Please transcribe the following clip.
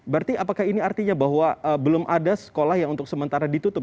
berarti apakah ini artinya bahwa belum ada sekolah yang untuk sementara ditutup